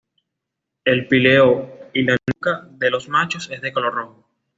El píleo y la nuca de los machos es de color rojo.